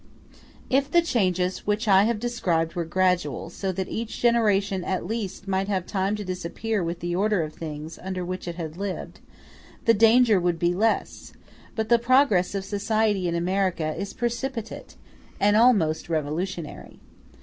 ] If the changes which I have described were gradual, so that each generation at least might have time to disappear with the order of things under which it had lived, the danger would be less; but the progress of society in America is precipitate, and almost revolutionary.